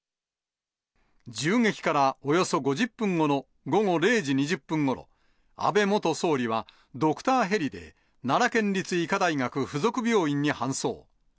銃撃からおよそ５０分後の午後０時２０分ごろ、安倍元総理は、ドクターヘリで奈良県立医科大学附属病院に搬送。